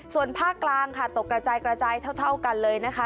ส่วนภาคกลางค่ะตกกระจายกระจายเท่ากันเลยนะคะ